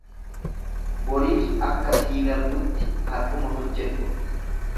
Boriif akka sii darbutti hardhuma hojjedhu.